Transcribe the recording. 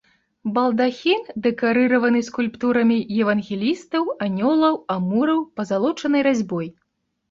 Балдахін дэкарыраваны скульптурамі евангелістаў, анёлаў, амураў, пазалочанай разьбой.